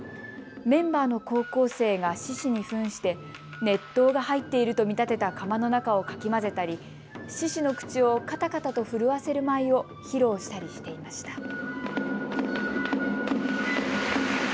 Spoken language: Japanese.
メンバーの高校生が獅子にふんして熱湯が入っていると見立てた釜の中をかき混ぜたり獅子の口をかたかたと震わせる舞を披露したりしていました。